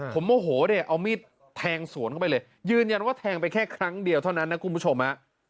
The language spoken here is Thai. ผมโมโหเนี่ยเอามีดแทงสวนเข้าไปเลยยืนยันว่าแทงไปแค่ครั้งเดียวเท่านั้นนะคุณผู้ชมฮะ